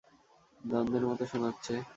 দ্বন্ধের মতো শোনাচ্ছে।